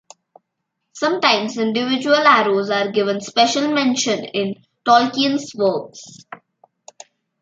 Sometimes individual arrows are given special mention in Tolkien's works.